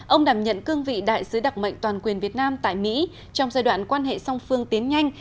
ông đảm nhận cương vị đại sứ đặc mệnh toàn quyền việt nam tại mỹ trong giai đoạn quan hệ song phương tiến nhanh